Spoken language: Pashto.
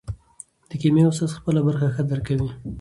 د کیمیا استاد خپله برخه ښه درک کوي.